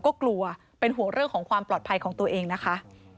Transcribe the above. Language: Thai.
ก็กลัวเป็นห่วงเรื่องของความปลอดภัยของตัวเองนะคะ